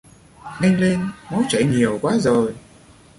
Nhanh lên, máu chảy nhiều quá rồi